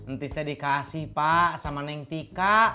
ntisnya dikasih pak sama neng tika